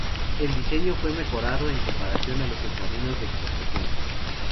El diseño fue mejorado en comparación a los submarinos de exportación.